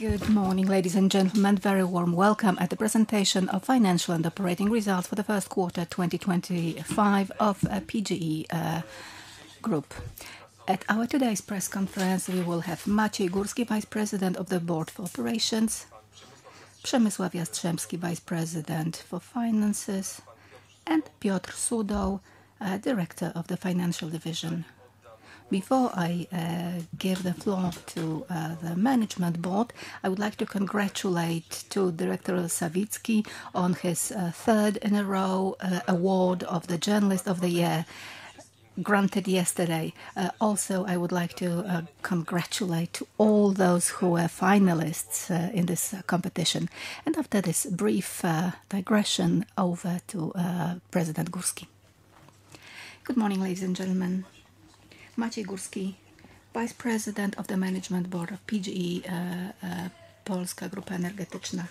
Good morning, ladies and gentlemen. Very warm welcome at the presentation of financial and operating results for the first quarter 2025 of PGE Group. At our today's press conference, we will have Maciej Górski, Vice President of the Board for Operations; Przemysław Jastrzębski, Vice President for Finances; and Piotr Sudoł, Director of the Financial Division. Before I give the floor to the Management Board, I would like to congratulate Director Sawicki on his third in a row award of the Journalist of the Year, granted yesterday. Also, I would like to congratulate all those who were finalists in this competition. Afte r this brief digression, over to President Górski. Good morning, ladies and gentlemen. Maciej Górski, Vice President of the Management Board of PGE Polska Grupa Energetyczna.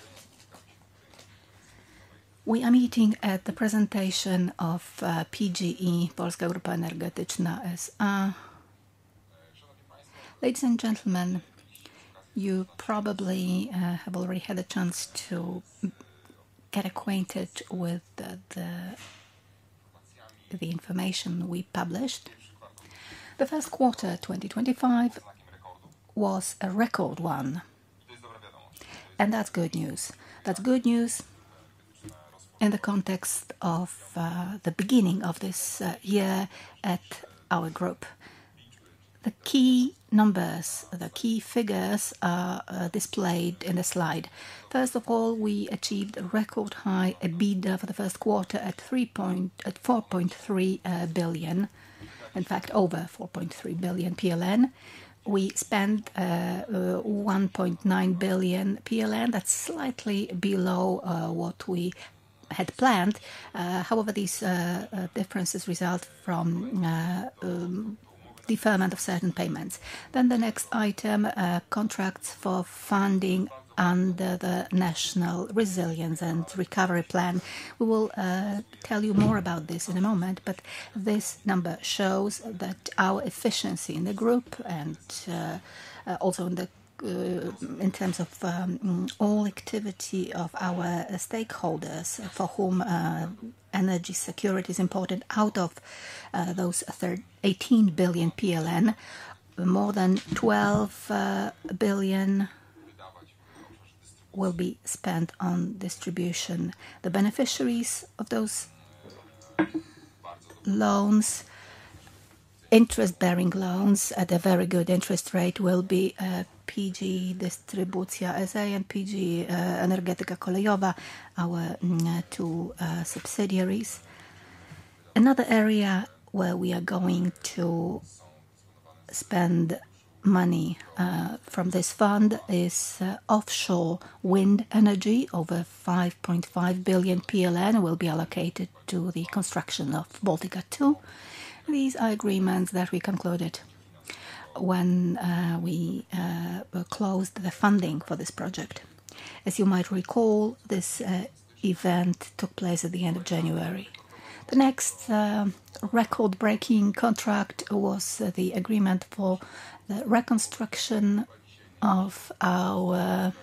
We are meeting at the presentation of PGE Polska Grupa Energetyczna. Ladies and gentlemen, you probably have already had a chance to get acquainted with the information we published. The first quarter 2025 was a record one, and that's good news. That's good news in the context of the beginning of this year at our group. The key numbers, the key figures are displayed in the slide. First of all, we achieved a record high EBITDA for the first quarter at 4.3 billion, in fact, over 4.3 billion PLN. We spent 1.9 billion PLN. That's slightly below what we had planned. However, these differences result from deferment of certain payments. The next item, contracts for funding under the National Resilience and Recovery Plan. We will tell you more about this in a moment, but this number shows that our efficiency in the group and also in terms of all activity of our stakeholders for whom energy security is important, out of those 18 billion PLN, more than 12 billion will be spent on distribution. The beneficiaries of those loans, interest-bearing loans at a very good interest rate, will be PGE Dystrybucja S.A. and PGE Energetyka Kolejowa, our two subsidiaries. Another area where we are going to spend money from this fund is offshore wind energy. Over 5.5 billion PLN will be allocated to the construction of Baltica 2. These are agreements that we concluded when we closed the funding for this project. As you might recall, this event took place at the end of January. The next record-breaking contract was the agreement for the reconstruction of our,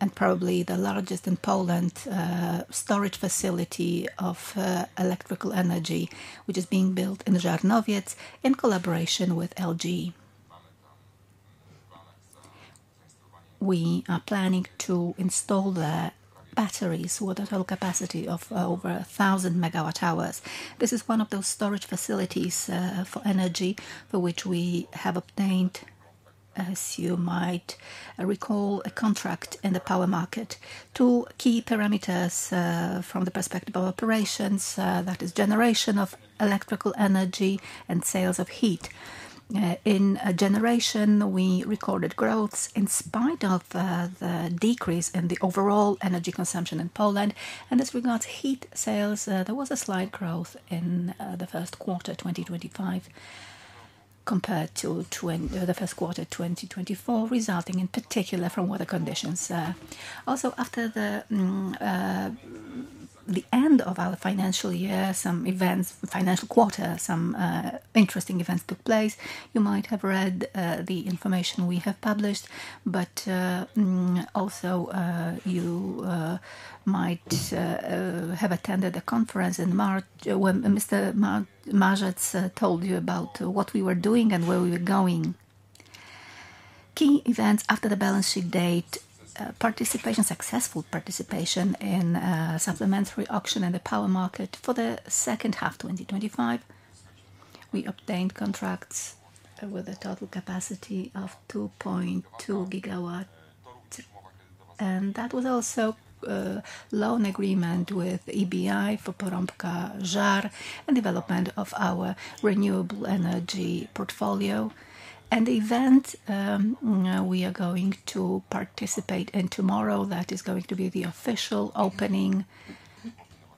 and probably the largest in Poland, storage facility of electrical energy, which is being built in Żarnowiec in collaboration with LG Energy Solution. We are planning to install the batteries with a total capacity of over 1,000 MWh. This is one of those storage facilities for energy for which we have obtained, as you might recall, a contract in the power market. Two key parameters from the perspective of operations, that is, generation of electrical energy and sales of heat. In generation, we recorded growth in spite of the decrease in the overall energy consumption in Poland. As regards heat sales, there was a slight growth in the first quarter 2025 compared to the first quarter 2024, resulting in particular from weather conditions. Also, after the end of our financial year, some events, financial quarter, some interesting events took place. You might have read the information we have published, but also you might have attended the conference in March when Mr. Marzec told you about what we were doing and where we were going. Key events after the balance sheet date: successful participation in supplementary auction in the power market for the second half 2025. We obtained contracts with a total capacity of 2.2 GW, and that was also a loan agreement with EBRD for Porąbka-Żar and development of our renewable energy portfolio. The event we are going to participate in tomorrow, that is going to be the official opening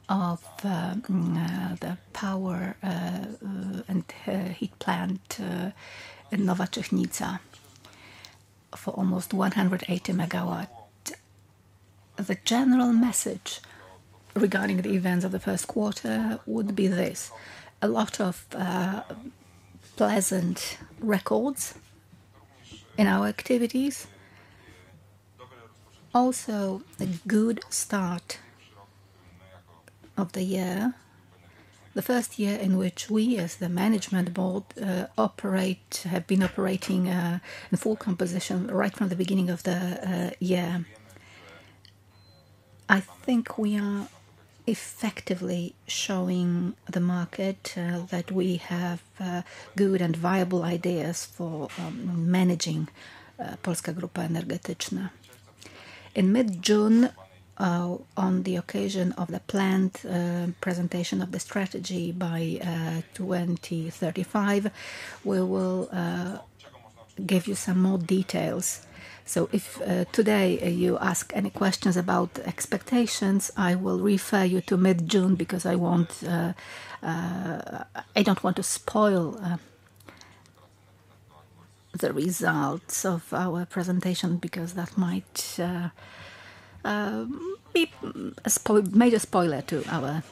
of the power and heat plant in Nowa Technika for almost 180 MWs. The general message regarding the events of the first quarter would be this: a lot of pleasant records in our activities, also a good start of the year, the first year in which we, as the Management Board, have been operating in full composition right from the beginning of the year. I think we are effectively showing the market that we have good and viable ideas for managing PGE Polska Grupa Energetyczna. In mid-June, on the occasion of the planned presentation of the strategy by 2035, we will give you some more details. If today you ask any questions about expectations, I will refer you to mid-June because I do not want to spoil the results of our presentation because that might be a major spoiler to our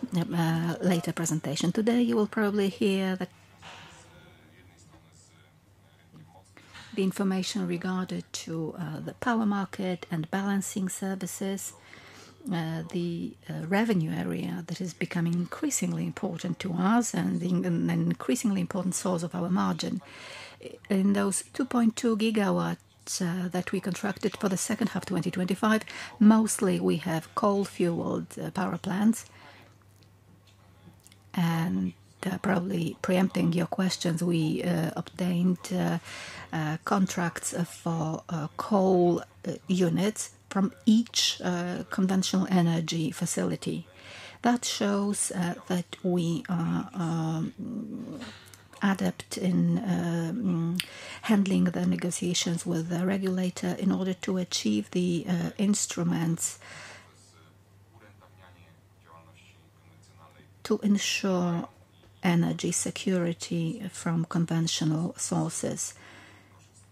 later presentation. Today, you will probably hear the information regarded to the power market and balancing services, the revenue area that is becoming increasingly important to us and an increasingly important source of our margin. In those 2.2 GW that we constructed for the second half 2025, mostly we have coal-fueled power plants. Probably preempting your questions, we obtained contracts for coal units from each conventional energy facility. That shows that we are adept in handling the negotiations with the regulator in order to achieve the instruments to ensure energy security from conventional sources,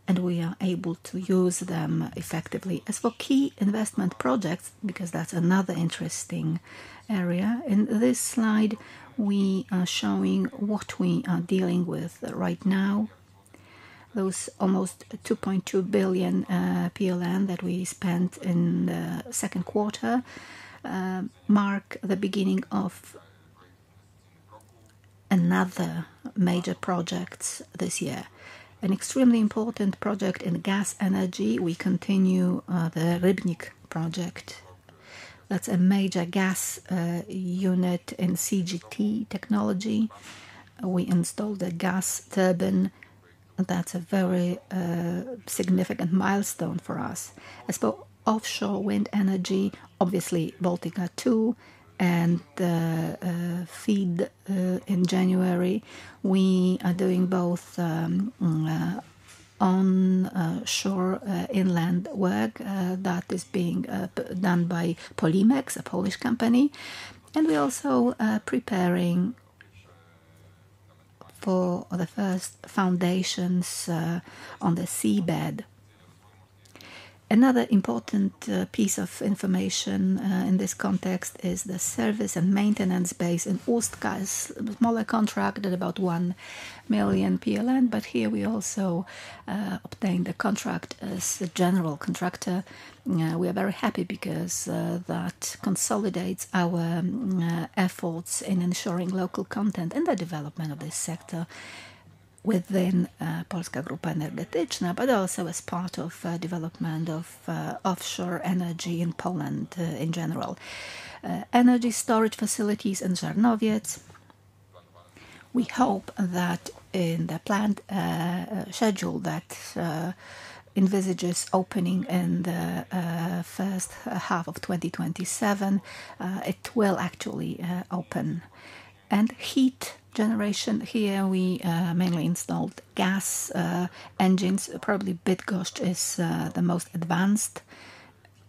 and we are able to use them effectively. As for key investment projects, because that is another interesting area in this slide, we are showing what we are dealing with right now. Those almost 2.2 billion PLN that we spent in the second quarter mark the beginning of another major project this year. An extremely important project in gas energy, we continue the Rybnik project. That's a major gas unit in CCGT technology. We installed a gas turbine. That's a very significant milestone for us. As for offshore wind energy, obviously Baltica 2 and FID in January, we are doing both onshore inland work. That is being done by Polimex, a Polish company. We are also preparing for the first foundations on the seabed. Another important piece of information in this context is the service and maintenance base in Ustka. It's a smaller contract at about 1 million PLN, but here we also obtained the contract as a general contractor. We are very happy because that consolidates our efforts in ensuring local content and the development of this sector within PGE Polska Grupa Energetyczna, but also as part of the development of offshore energy in Poland in general. Energy storage facilities in Żarnowiec. We hope that in the planned schedule that envisages opening in the first half of 2027, it will actually open. In heat generation, here we mainly installed gas engines. Probably Bydgoszcz is the most advanced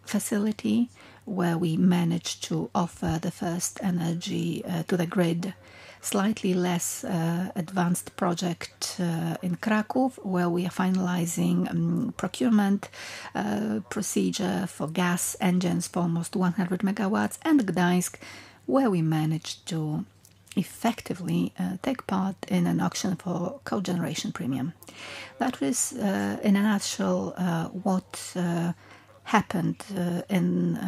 facility where we managed to offer the first energy to the grid. Slightly less advanced project in Kraków, where we are finalizing procurement procedure for gas engines for almost 100 MWs, and Gdańsk, where we managed to effectively take part in an auction for cogeneration premium. That was, in a nutshell, what happened in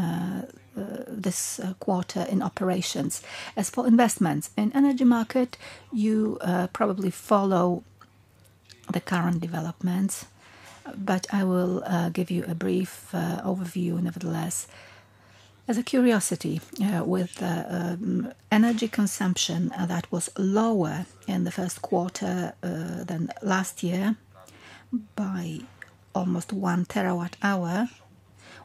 this quarter in operations. As for investments in the energy market, you probably follow the current developments, but I will give you a brief overview nevertheless. As a curiosity, with energy consumption that was lower in the first quarter than last year by almost 1 TWh,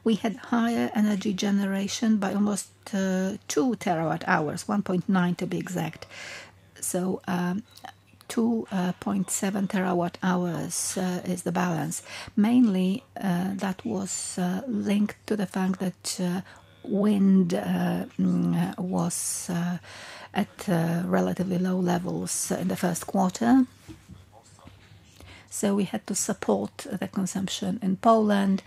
we had higher energy generation by almost 2 TWh, 1.9 TWh to be exact. 2.7 TWh is the balance. Mainly, that was linked to the fact that wind was at relatively low levels in the first quarter. We had to support the consumption in Poland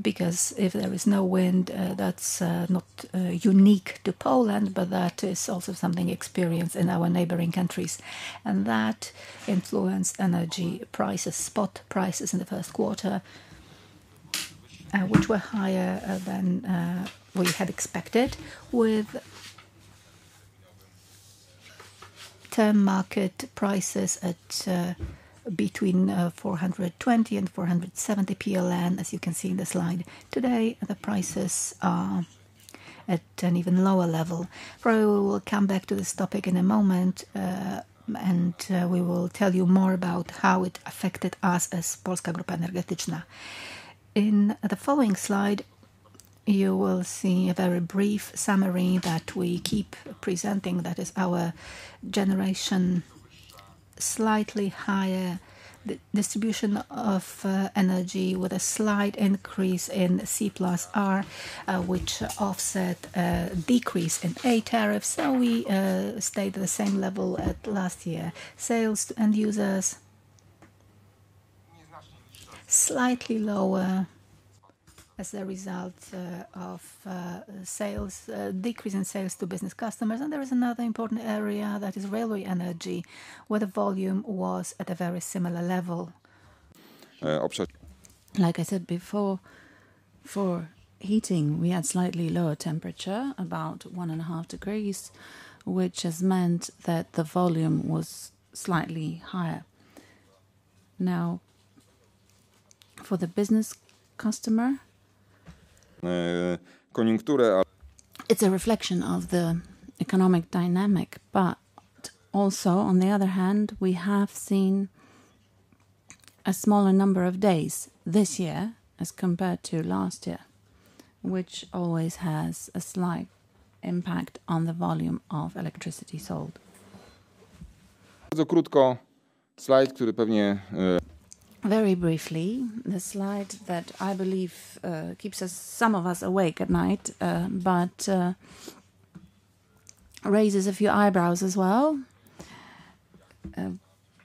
because if there is no wind, that is not unique to Poland, but that is also something experienced in our neighboring countries. That influenced energy prices, spot prices in the first quarter, which were higher than we had expected, with term market prices at between 420 and 470 PLN, as you can see in the slide. Today, the prices are at an even lower level. Probably we will come back to this topic in a moment, and we will tell you more about how it affected us as PGE Polska Grupa Energetyczna. In the following slide, you will see a very brief summary that we keep presenting. That is our generation, slightly higher distribution of energy with a slight increase in C plus R, which offset a decrease in A tariffs. We stayed at the same level as last year. Sales to end users slightly lower as a result of decrease in sales to business customers. There is another important area that is railway energy, where the volume was at a very similar level. Like I said before, for heating, we had slightly lower temperature, about one and a half degrees, which has meant that the volume was slightly higher. Now, for the business customer, it's a reflection of the economic dynamic. Also, on the other hand, we have seen a smaller number of days this year as compared to last year, which always has a slight impact on the volume of electricity sold. Very briefly, the slide that I believe keeps some of us awake at night, but raises a few eyebrows as well.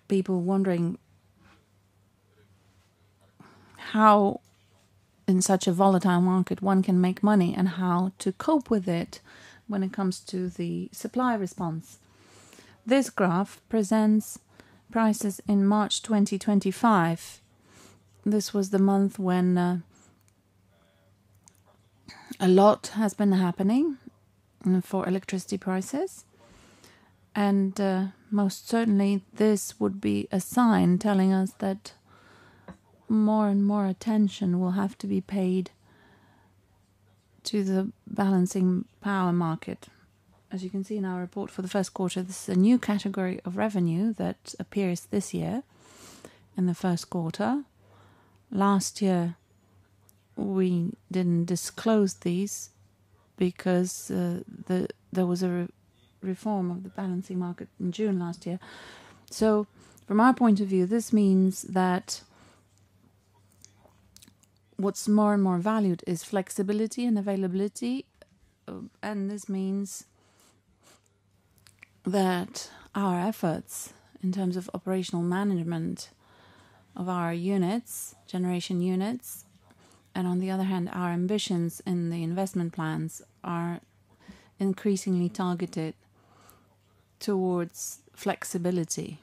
People wondering how, in such a volatile market, one can make money and how to cope with it when it comes to the supply response. This graph presents prices in March 2025. This was the month when a lot has been happening for electricity prices. Most certainly, this would be a sign telling us that more and more attention will have to be paid to the balancing power market. As you can see in our report for the first quarter, this is a new category of revenue that appears this year in the first quarter. Last year, we did not disclose these because there was a reform of the balancing market in June last year. From our point of view, this means that what is more and more valued is flexibility and availability. This means that our efforts in terms of operational management of our units, generation units, and on the other hand, our ambitions in the investment plans are increasingly targeted towards flexibility.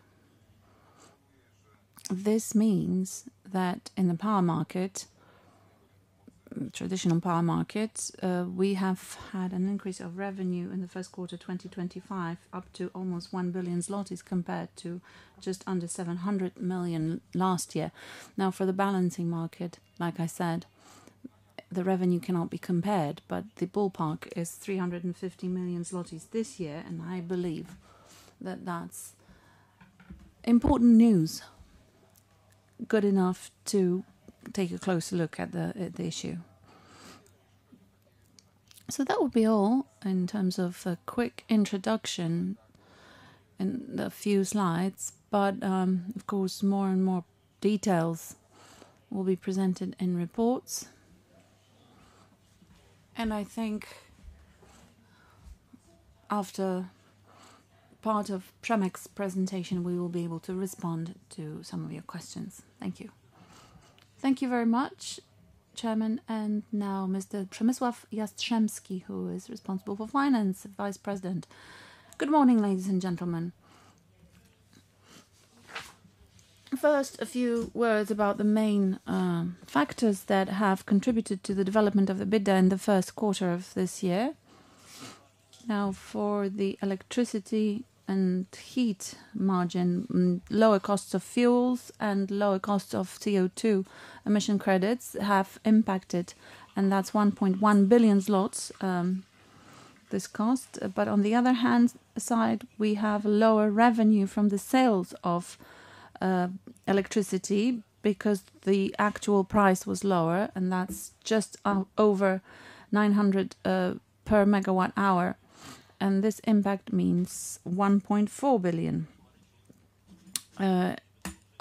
This means that in the power market, traditional power markets, we have had an increase of revenue in the first quarter 2025 up to almost 1 billion zlotys compared to just under 700 million last year. Now, for the balancing market, like I said, the revenue cannot be compared, but the ballpark is 350 million zlotys this year. I believe that that is important news, good enough to take a closer look at the issue. That would be all in terms of a quick introduction in a few slides. Of course, more and more details will be presented in reports. I think after part of Przemek's presentation, we will be able to respond to some of your questions. Thank you. Thank you very much, Chairman. Now, Mr. Przemysław Jastrzębski, who is responsible for finance, Vice President. Good morning, ladies and gentlemen. First, a few words about the main factors that have contributed to the development of the Bydda in the first quarter of this year. Now, for the electricity and heat margin, lower costs of fuels and lower costs of CO2 emission credits have impacted. That is 1.1 billion zlotys this cost. On the other side, we have lower revenue from the sales of electricity because the actual price was lower, and that is just over 900 per MWhour. This impact means 1.4 billion.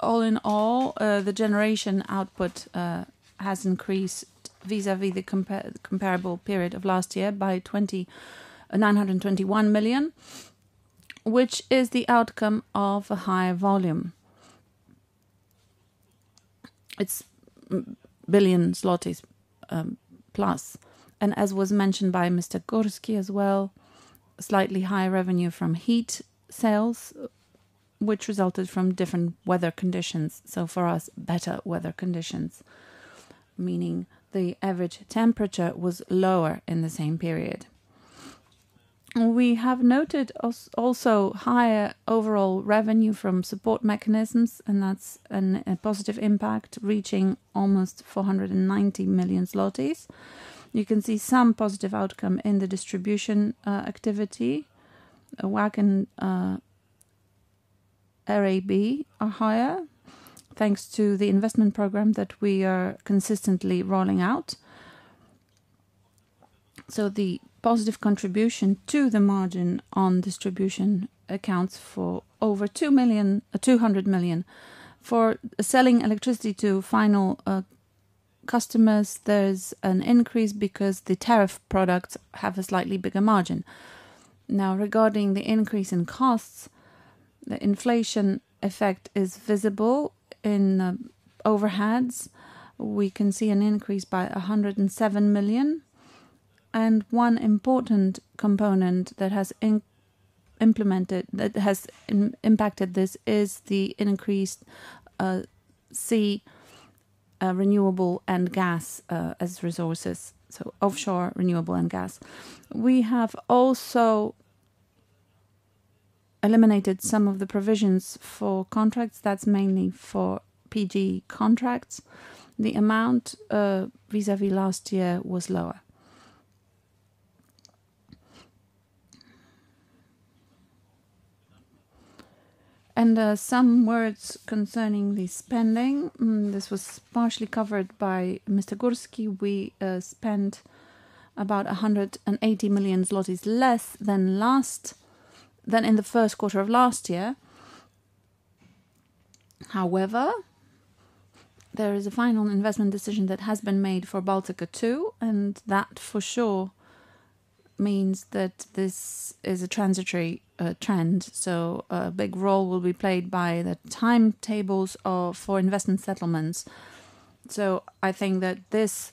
All in all, the generation output has increased vis-à-vis the comparable period of last year by 921 million, which is the outcome of a higher volume. It is 1 billion zlotys+. As was mentioned by Mr. Górski as well, slightly higher revenue from heat sales, which resulted from different weather conditions. For us, better weather conditions, meaning the average temperature was lower in the same period. We have noted also higher overall revenue from support mechanisms, and that is a positive impact reaching almost 490 million zlotys. You can see some positive outcome in the distribution activity. WAC and RAB are higher thanks to the investment program that we are consistently rolling out. The positive contribution to the margin on distribution accounts for over 200 million. For selling electricity to final customers, there is an increase because the tariff products have a slightly bigger margin. Now, regarding the increase in costs, the inflation effect is visible in overheads. We can see an increase by 107 million. One important component that has impacted this is the increased sea renewable and gas as resources. Offshore renewable and gas. We have also eliminated some of the provisions for contracts. That is mainly for PGE contracts. The amount vis-à-vis last year was lower. Some words concerning the spending. This was partially covered by Mr. Górski. We spent about 180 million zlotys less than in the first quarter of last year. However, there is a final investment decision that has been made for Baltica 2, and that for sure means that this is a transitory trend. A big role will be played by the timetables for investment settlements. I think that this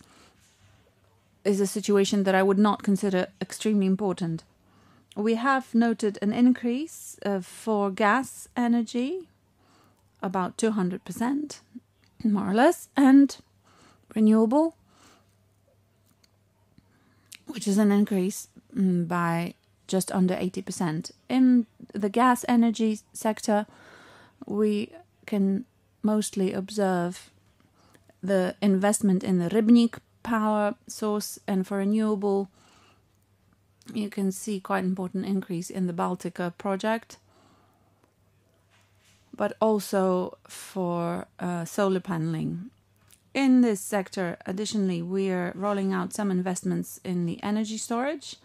is a situation that I would not consider extremely important. We have noted an increase for gas energy, about 200% more or less, and renewable, which is an increase by just under 80%. In the gas energy sector, we can mostly observe the investment in the Rybnik power source. For renewable, you can see quite an important increase in the Baltica project, but also for solar paneling. In this sector, additionally, we are rolling out some investments in the energy storage.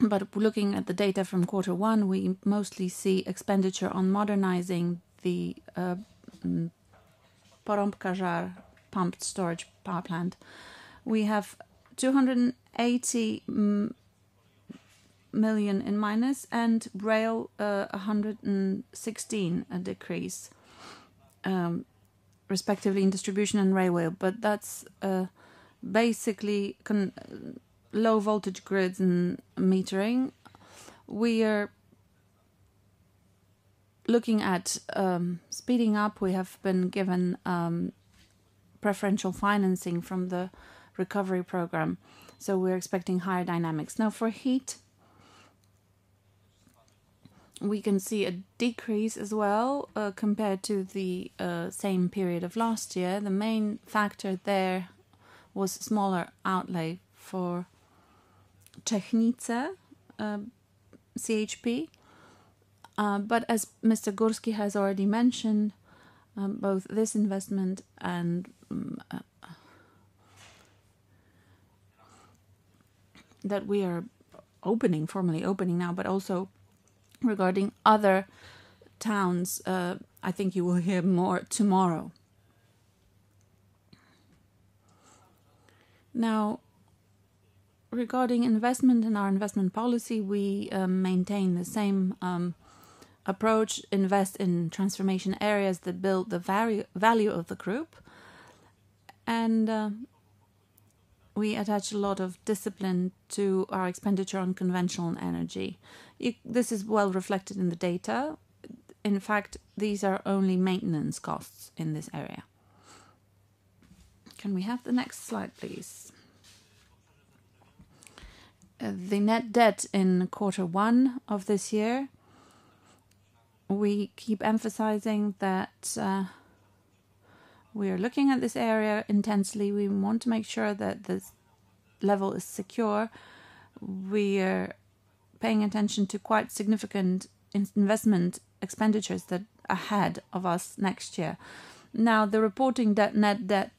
Looking at the data from quarter one, we mostly see expenditure on modernizing the Porąbka-Żar pumped storage power plant. We have 280 million in minus and rail 116 million decrease, respectively in distribution and railway. That's basically low voltage grids and metering. We are looking at speeding up. We have been given preferential financing from the recovery program. We're expecting higher dynamics. Now, for heat, we can see a decrease as well compared to the same period of last year. The main factor there was smaller outlay for Czechnice, CHP. As Mr. Górski has already mentioned, both this investment and that we are formally opening now, but also regarding other towns, I think you will hear more tomorrow. Now, regarding investment in our investment policy, we maintain the same approach. Invest in transformation areas that build the value of the group. We attach a lot of discipline to our expenditure on conventional energy. This is well reflected in the data. In fact, these are only maintenance costs in this area. Can we have the next slide, please? The net debt in quarter one of this year. We keep emphasizing that we are looking at this area intensely. We want to make sure that this level is secure. We are paying attention to quite significant investment expenditures that are ahead of us next year. Now, the reported net debt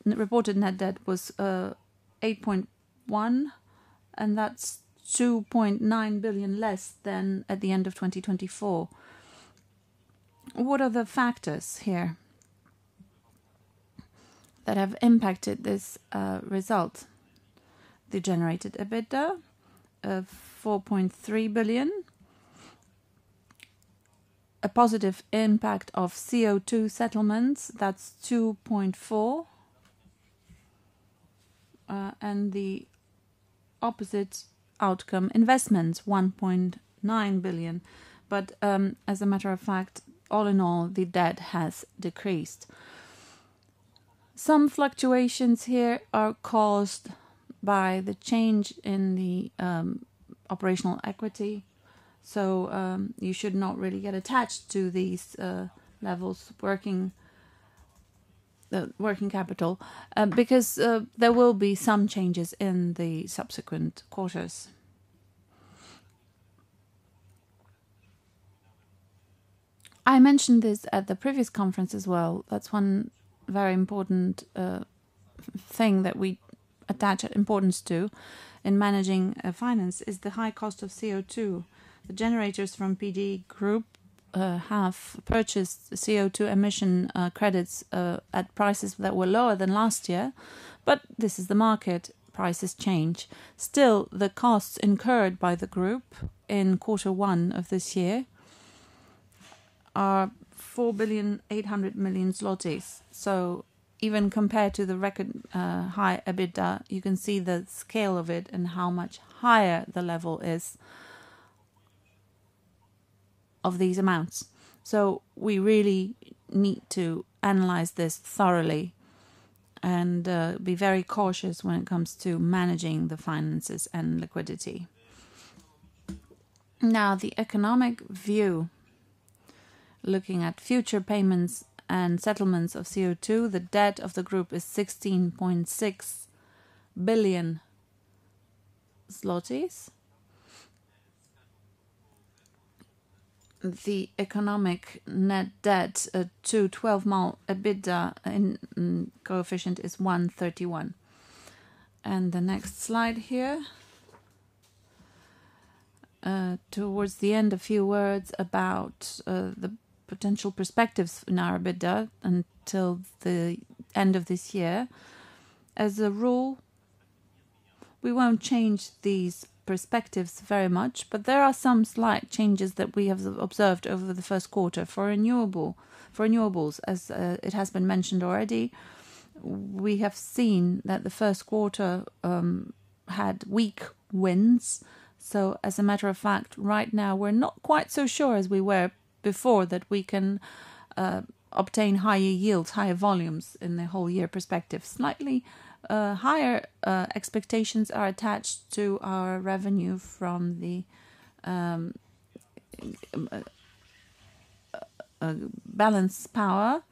was 8.1 billion, and that's 2.9 billion less than at the end of 2024. What are the factors here that have impacted this result? The generated EBITDA of 4.3 billion, a positive impact of CO2 settlements, that's 2.4 billion, and the opposite outcome, investments, 1.9 billion. As a matter of fact, all in all, the debt has decreased. Some fluctuations here are caused by the change in the operational equity. You should not really get attached to these levels of working capital because there will be some changes in the subsequent quarters. I mentioned this at the previous conference as well. One very important thing that we attach importance to in managing finance is the high cost of CO2. The generators from PGE Group have purchased CO2 emission credits at prices that were lower than last year. This is the market; prices change. Still, the costs incurred by the group in quarter one of this year are 4.8 billion. Even compared to the record high EBITDA, you can see the scale of it and how much higher the level is of these amounts. We really need to analyze this thoroughly and be very cautious when it comes to managing the finances and liquidity. Now, the economic view, looking at future payments and settlements of CO2, the debt of the group is 16.6 billion zlotys. The economic net debt to 12-month EBITDA coefficient is 1.31. The next slide here, towards the end, a few words about the potential perspectives in our EBITDA until the end of this year. As a rule, we will not change these perspectives very much, but there are some slight changes that we have observed over the first quarter for renewables. As it has been mentioned already, we have seen that the first quarter had weak winds. As a matter of fact, right now, we are not quite so sure as we were before that we can obtain higher yields, higher volumes in the whole year perspective. Slightly higher expectations are attached to our revenue from the balance power,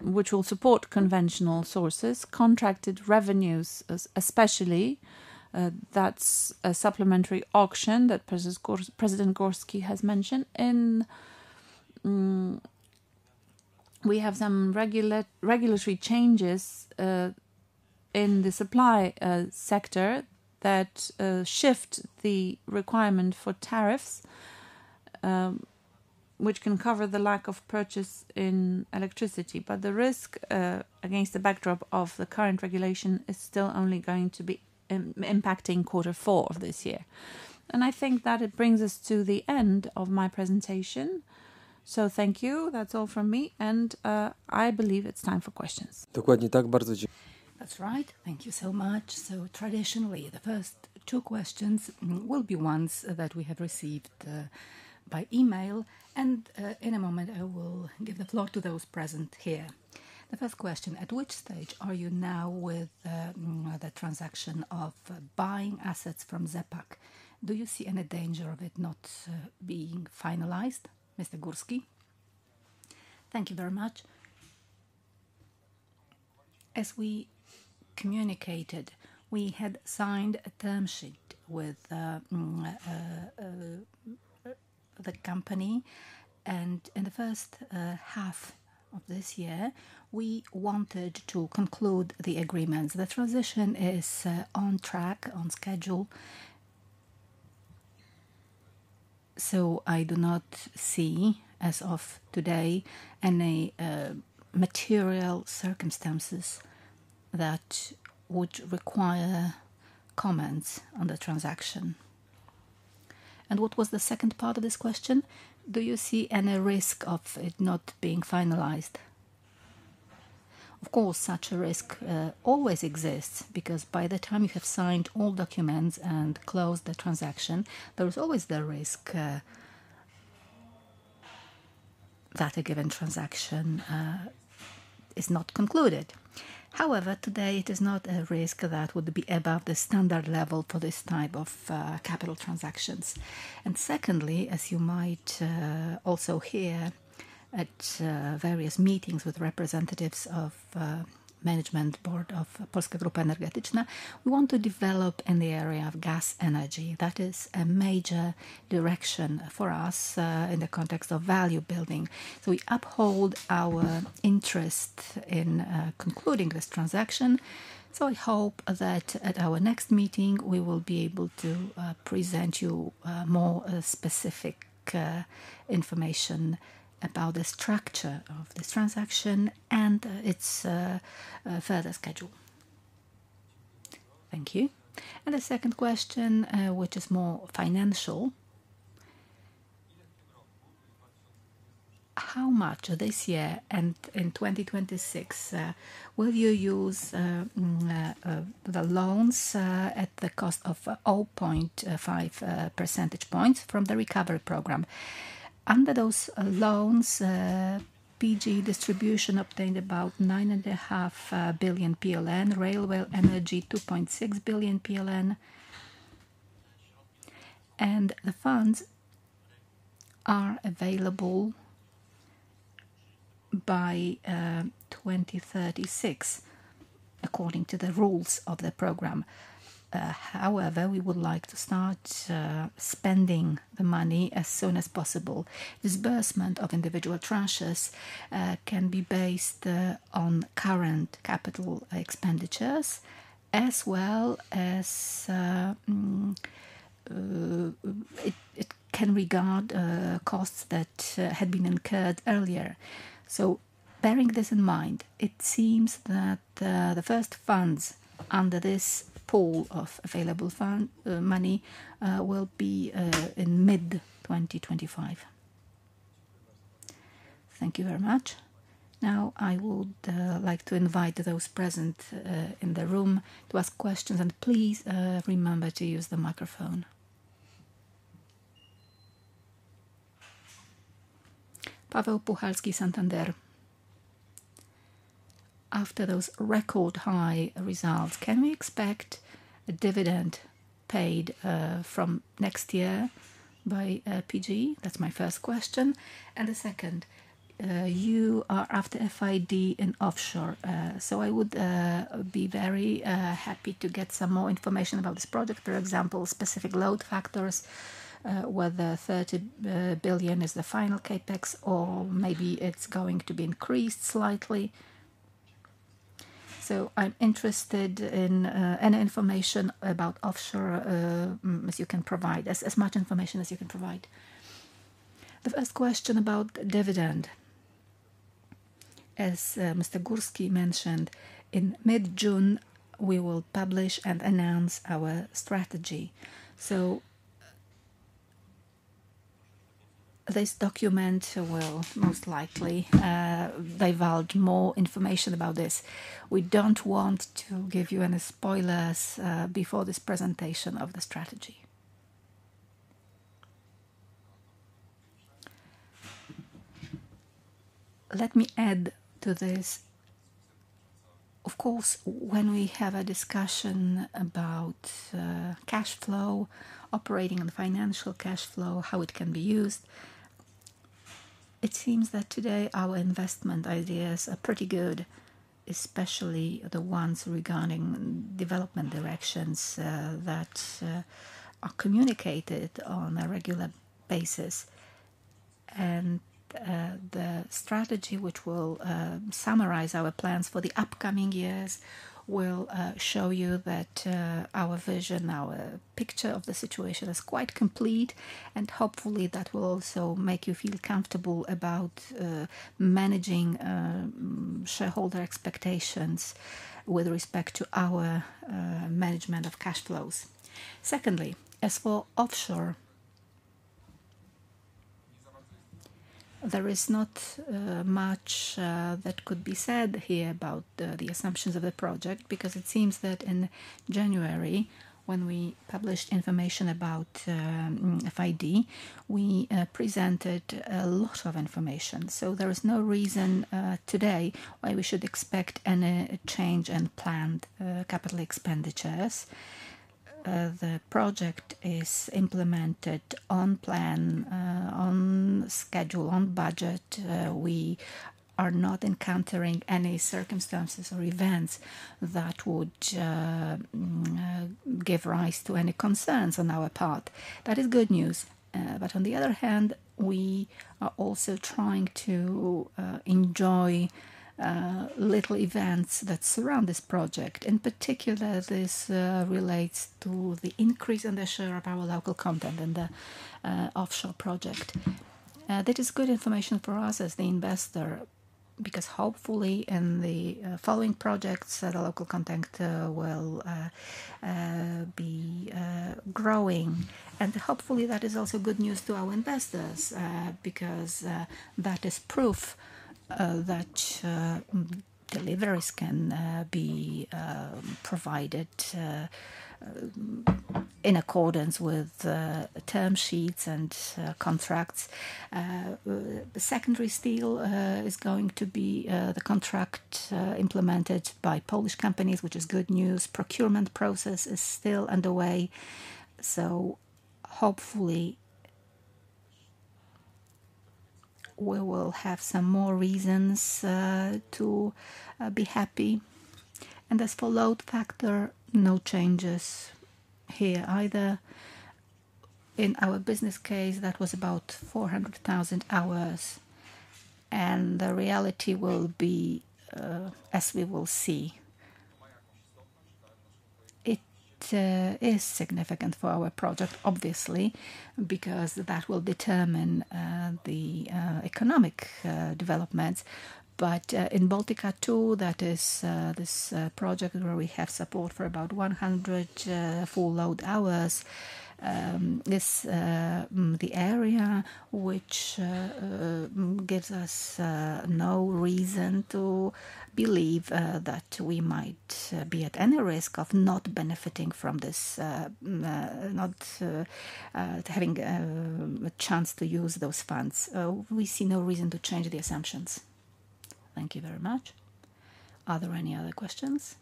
which will support conventional sources, contracted revenues especially. That is a supplementary auction that President Górski has mentioned. We have some regulatory changes in the supply sector that shift the requirement for tariffs, which can cover the lack of purchase in electricity. The risk against the backdrop of the current regulation is still only going to be impacting quarter four of this year. I think that it brings us to the end of my presentation. Thank you. That's all from me. I believe it's time for questions. Dokładnie tak, bardzo dziękuję. That's right. Thank you so much. Traditionally, the first two questions will be ones that we have received by email. In a moment, I will give the floor to those present here. The first question: At which stage are you now with the transaction of buying assets from ZE PAK? Do you see any danger of it not being finalized? Mr. Górski? Thank you very much. As we communicated, we had signed a term sheet with the company. In the first half of this year, we wanted to conclude the agreements. The transaction is on track, on schedule. I do not see, as of today, any material circumstances that would require comments on the transaction. What was the second part of this question? Do you see any risk of it not being finalized? Of course, such a risk always exists because by the time you have signed all documents and closed the transaction, there is always the risk that a given transaction is not concluded. However, today, it is not a risk that would be above the standard level for this type of capital transactions. Secondly, as you might also hear at various meetings with representatives of the management board of PGE Polska Grupa Energetyczna, we want to develop in the area of gas energy. That is a major direction for us in the context of value building. We uphold our interest in concluding this transaction. I hope that at our next meeting, we will be able to present you more specific information about the structure of this transaction and its further schedule. Thank you. The second question, which is more financial: How much this year and in 2026 will you use the loans at the cost of 0.5 percentage points from the recovery program? Under those loans, PGE Dystrybucja obtained about 9.5 billion PLN, PGE Energetyka Kolejowa 2.6 billion PLN. The funds are available by 2036, according to the rules of the program. However, we would like to start spending the money as soon as possible. Disbursement of individual tranches can be based on current capital expenditures, as well as it can regard costs that had been incurred earlier. Bearing this in mind, it seems that the first funds under this pool of available money will be in mid-2025.Thank you very much. Now, I would like to invite those present in the room to ask questions. And please remember to use the microphone. Paweł Puchalski, Santander. After those record-high results, can we expect a dividend paid from next year by PGE? That's my first question. The second, you are after FID in offshore. I would be very happy to get some more information about this project, for example, specific load factors, whether 30 billion is the final CapEx or maybe it's going to be increased slightly. I am interested in any information about offshore as you can provide, as much information as you can provide. The first question about dividend. As Mr. Górski mentioned, in mid-June, we will publish and announce our strategy. This document will most likely divulge more information about this. We don't want to give you any spoilers before this presentation of the strategy. Let me add to this. Of course, when we have a discussion about cash flow, operating on financial cash flow, how it can be used, it seems that today our investment ideas are pretty good, especially the ones regarding development directions that are communicated on a regular basis. The strategy, which will summarize our plans for the upcoming years, will show you that our vision, our picture of the situation is quite complete. Hopefully, that will also make you feel comfortable about managing shareholder expectations with respect to our management of cash flows. Secondly, as for offshore, there is not much that could be said here about the assumptions of the project because it seems that in January, when we published information about FID, we presented a lot of information. There is no reason today why we should expect any change in planned capital expenditures. The project is implemented on plan, on schedule, on budget. We are not encountering any circumstances or events that would give rise to any concerns on our part. That is good news. On the other hand, we are also trying to enjoy little events that surround this project. In particular, this relates to the increase in the share of our local content and the offshore project. That is good information for us as the investor because hopefully, in the following projects, the local content will be growing. Hopefully, that is also good news to our investors because that is proof that deliveries can be provided in accordance with term sheets and contracts. Secondary steel is going to be the contract implemented by Polish companies, which is good news. Procurement process is still underway. Hopefully, we will have some more reasons to be happy. As for load factor, no changes here either. In our business case, that was about 400,000 hours. The reality will be as we will see. It is significant for our project, obviously, because that will determine the economic developments. In Baltica 2, that is this project where we have support for about 100 full load hours. This is the area which gives us no reason to believe that we might be at any risk of not benefiting from this, not having a chance to use those funds. We see no reason to change the assumptions. Thank you very much. Are there any other questions?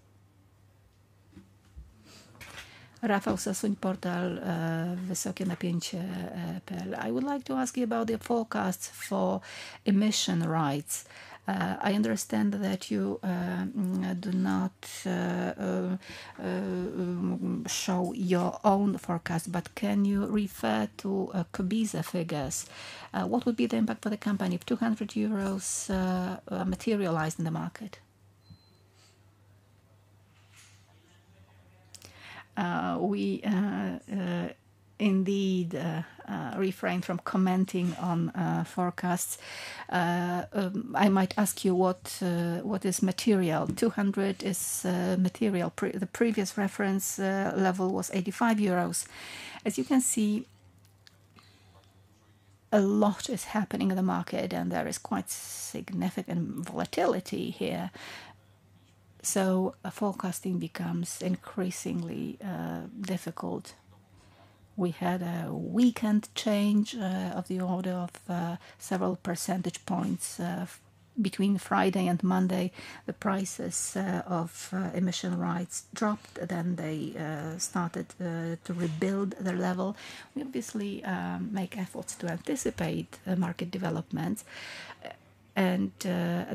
Rafał Sasuń, Portal Wysokie Napięcie PL. I would like to ask you about your forecasts for emission rights. I understand that you do not show your own forecast, but can you refer to Kobiza figures? What would be the impact for the company if 200 euros materialized in the market? We indeed refrain from commenting on forecasts. I might ask you what is material. Two hundred is material. The previous reference level was 85 euros. As you can see, a lot is happening in the market, and there is quite significant volatility here. Forecasting becomes increasingly difficult. We had a weekend change of the order of several percentage points. Between Friday and Monday, the prices of emission rights dropped, then they started to rebuild their level. We obviously make efforts to anticipate market developments. At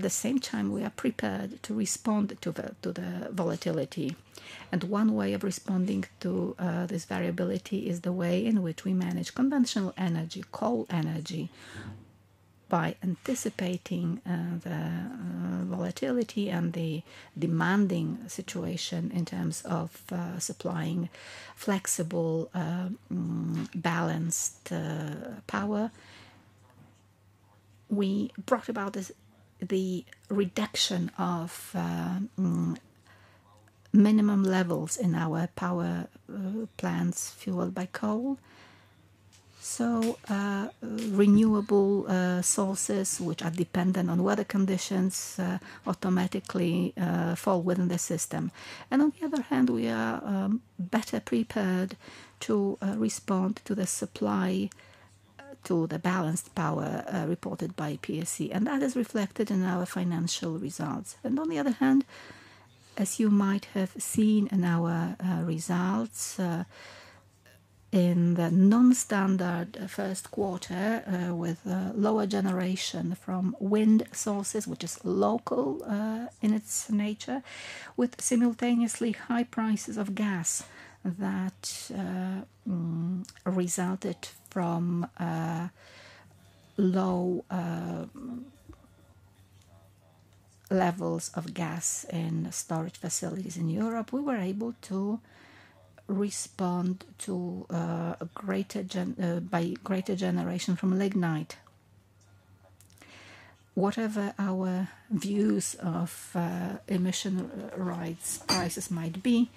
the same time, we are prepared to respond to the volatility. One way of responding to this variability is the way in which we manage conventional energy, coal energy, by anticipating the volatility and the demanding situation in terms of supplying flexible, balanced power. We brought about the reduction of minimum levels in our power plants fueled by coal. Renewable sources, which are dependent on weather conditions, automatically fall within the system. On the other hand, we are better prepared to respond to the supply to the balanced power reported by PSE. That is reflected in our financial results. On the other hand, as you might have seen in our results in the non-standard first quarter with lower generation from wind sources, which is local in its nature, with simultaneously high prices of gas that resulted from low levels of gas in storage facilities in Europe, we were able to respond to by greater generation from lignite. Whatever our views of emission rights prices might be,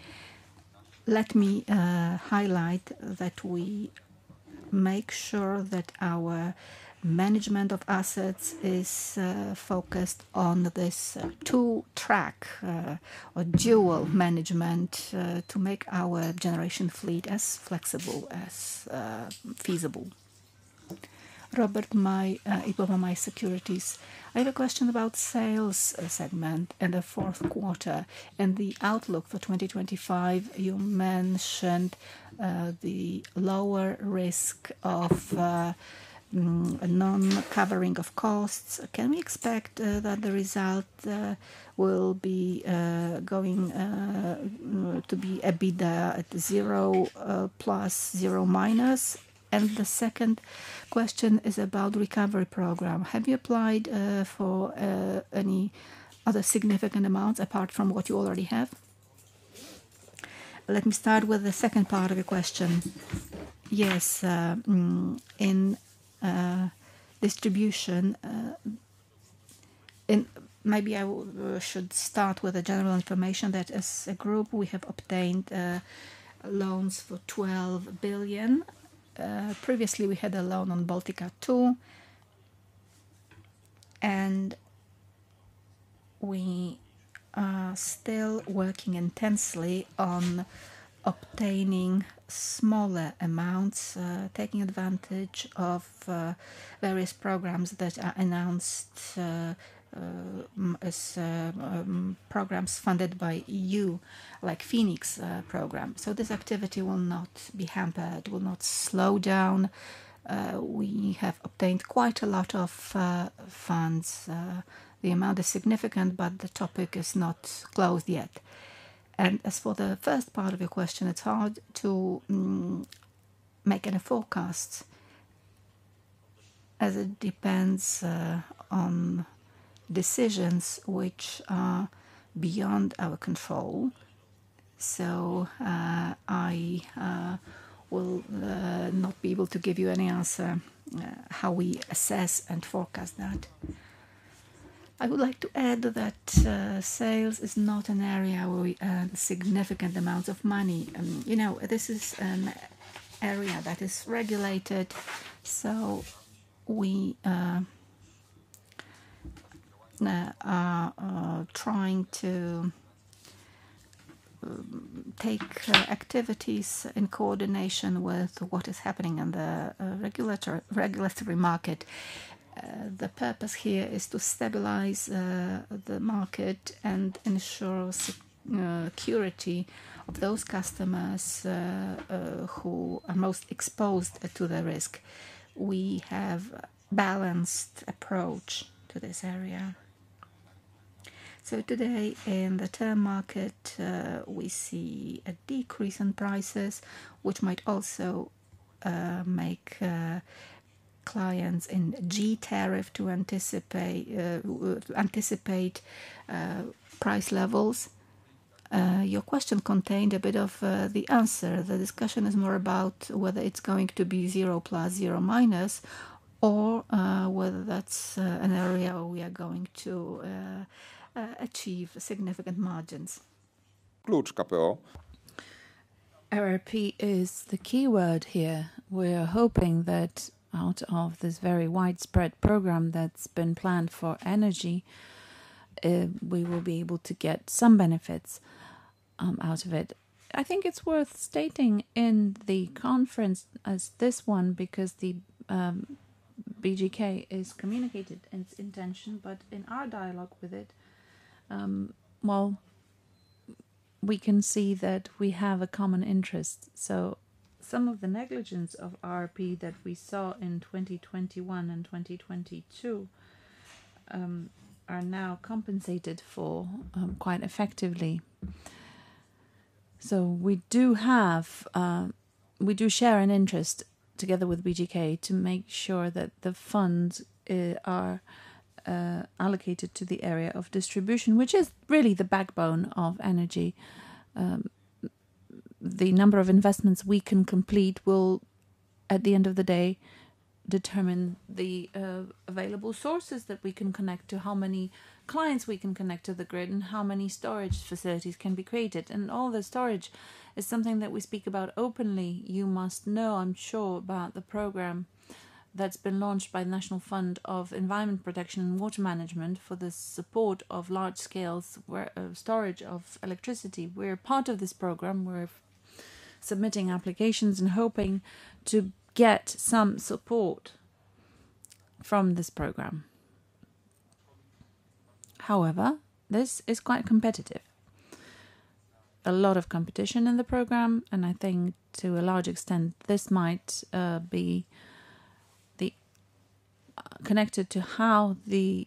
let me highlight that we make sure that our management of assets is focused on this two-track or dual management to make our generation fleet as flexible as feasible. Robert, my IBOM, my securities. I have a question about sales segment and the fourth quarter and the outlook for 2025. You mentioned the lower risk of non-covering of costs. Can we expect that the result will be going to be EBITDA at 0+0-? The second question is about recovery program. Have you applied for any other significant amounts apart from what you already have? Let me start with the second part of your question. Yes. In distribution, maybe I should start with the general information that as a group, we have obtained loans for 12 billion. Previously, we had a loan on Baltica 2. We are still working intensely on obtaining smaller amounts, taking advantage of various programs that are announced as programs funded by the EU, like the Phoenix program. This activity will not be hampered, will not slow down. We have obtained quite a lot of funds. The amount is significant, but the topic is not closed yet. As for the first part of your question, it is hard to make any forecasts as it depends on decisions which are beyond our control. I will not be able to give you any answer how we assess and forecast that. I would like to add that sales is not an area where we earn significant amounts of money. This is an area that is regulated. We are trying to take activities in coordination with what is happening in the regulatory market. The purpose here is to stabilize the market and ensure security of those customers who are most exposed to the risk. We have a balanced approach to this area. Today, in the term market, we see a decrease in prices, which might also make clients in G tariff anticipate price levels. Your question contained a bit of the answer. The discussion is more about whether it's going to be 0+0- or whether that's an area where we are going to achieve significant margins. ERP is the keyword here. We are hoping that out of this very widespread program that's been planned for energy, we will be able to get some benefits out of it. I think it's worth stating in a conference as this one because the BGK has communicated its intention, but in our dialogue with it, we can see that we have a common interest. Some of the negligence of ERP that we saw in 2021 and 2022 are now compensated for quite effectively. We do share an interest together with BGK to make sure that the funds are allocated to the area of distribution, which is really the backbone of energy. The number of investments we can complete will, at the end of the day, determine the available sources that we can connect to, how many clients we can connect to the grid, and how many storage facilities can be created. All the storage is something that we speak about openly. You must know, I'm sure, about the program that's been launched by the National Fund of Environment Protection and Water Management for the support of large-scale storage of electricity. We're part of this program. We're submitting applications and hoping to get some support from this program. However, this is quite competitive. A lot of competition in the program. I think, to a large extent, this might be connected to how the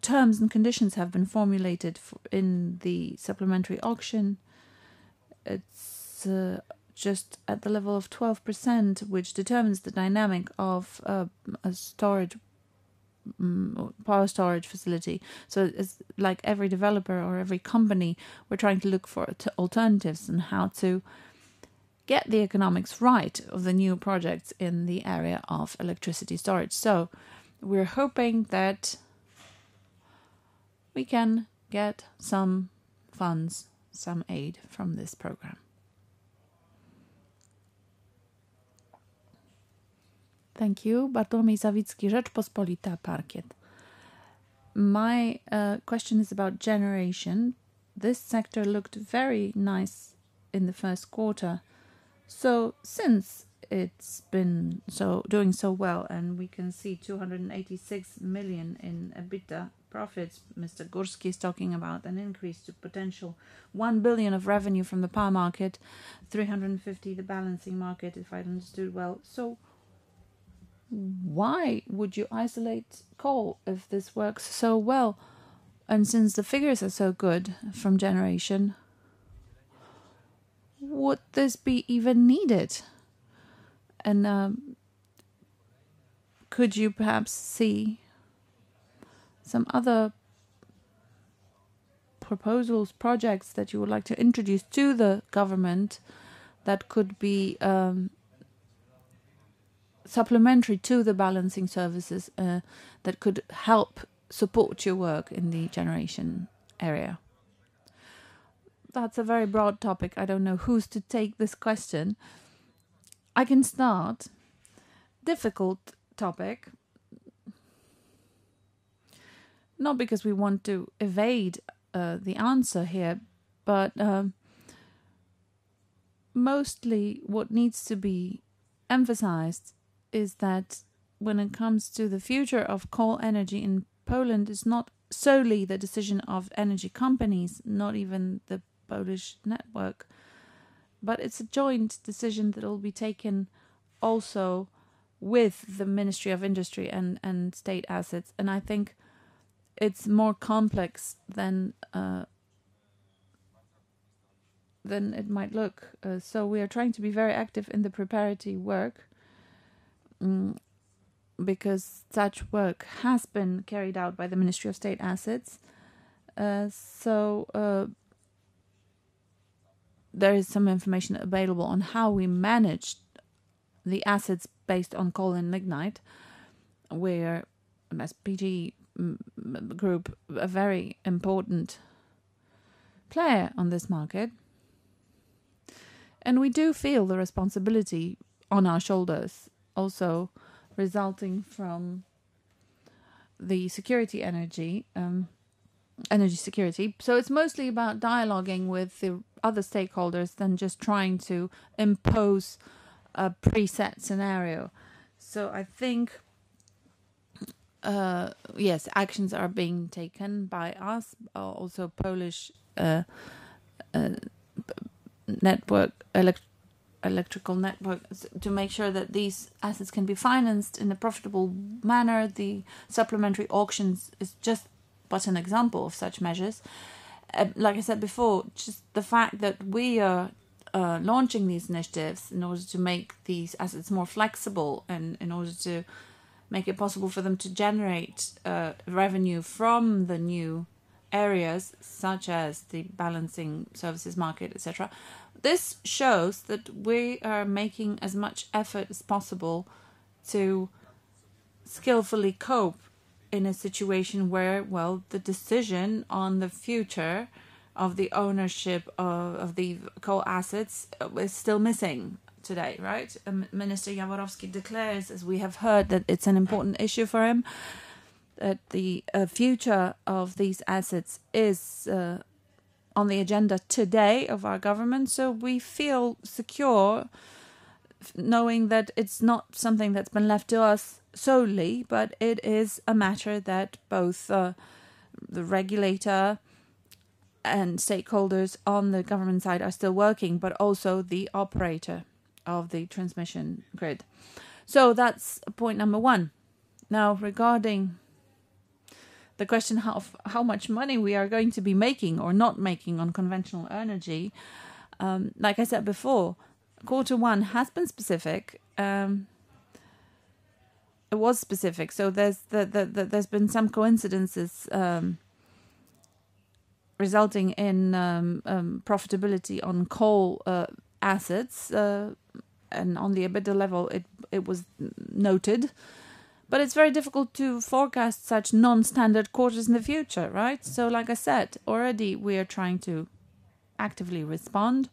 terms and conditions have been formulated in the supplementary auction. It's just at the level of 12%, which determines the dynamic of a power storage facility. It's like every developer or every company, we're trying to look for alternatives and how to get the economics right of the new projects in the area of electricity storage. We're hoping that we can get some funds, some aid from this program. Thank you. Bartłomiej Sawicki, Rzeczpospolita Parkiet. My question is about generation. This sector looked very nice in the first quarter. Since it's been doing so well, and we can see 286 million in EBITDA profits, Mr. Górski is talking about an increase to potential 1 billion of revenue from the power market, 350 million the balancing market, if I understood well. Why would you isolate coal if this works so well? Since the figures are so good from generation, would this be even needed? Could you perhaps see some other proposals, projects that you would like to introduce to the government that could be supplementary to the balancing services that could help support your work in the generation area? That is a very broad topic. I do not know who is to take this question. I can start. Difficult topic. Not because we want to evade the answer here, but mostly what needs to be emphasized is that when it comes to the future of coal energy in Poland, it is not solely the decision of energy companies, not even the Polish network, but it is a joint decision that will be taken also with the Ministry of Industry and State Assets. I think it is more complex than it might look. We are trying to be very active in the preparatory work because such work has been carried out by the Ministry of State Assets. There is some information available on how we manage the assets based on coal and lignite, where PGE Group, a very important player on this market. We do feel the responsibility on our shoulders, also resulting from the energy security. It is mostly about dialoguing with the other stakeholders than just trying to impose a preset scenario. I think, yes, actions are being taken by us, also Polish electrical network, to make sure that these assets can be financed in a profitable manner. The supplementary auctions is just but an example of such measures. Like I said before, just the fact that we are launching these initiatives in order to make these assets more flexible and in order to make it possible for them to generate revenue from the new areas such as the balancing services market, etc. This shows that we are making as much effort as possible to skillfully cope in a situation where, the decision on the future of the ownership of the coal assets is still missing today, right? Minister Jaworowski declares, as we have heard, that it's an important issue for him, that the future of these assets is on the agenda today of our government. We feel secure knowing that it's not something that's been left to us solely, but it is a matter that both the regulator and stakeholders on the government side are still working, but also the operator of the transmission grid. That's point number one. Now, regarding the question of how much money we are going to be making or not making on conventional energy, like I said before, quarter one has been specific. It was specific. There have been some coincidences resulting in profitability on coal assets. On the EBITDA level, it was noted. It is very difficult to forecast such non-standard quarters in the future, right? Like I said, already we are trying to actively respond